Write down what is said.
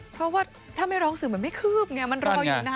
เพราะว่าถ้าไม่ร้องสื่อมันไม่คืบไงมันรออยู่นะ